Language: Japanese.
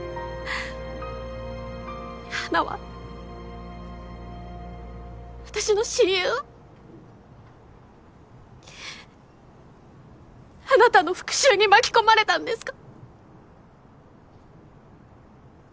花は私の親友はあなたの復讐に巻き込まれたんですか！？